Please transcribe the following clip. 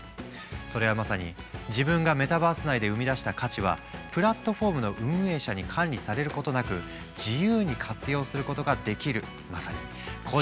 それはまさに自分がメタバース内で生み出した価値はプラットフォームの運営者に管理されることなく自由に活用することができる。